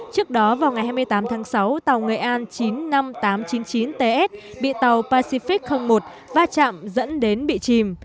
trước đó vào ngày hai mươi tám tháng sáu tàu nghệ an chín mươi năm nghìn tám trăm chín mươi chín ts bị tàu pacific một va chạm dẫn đến bị chìm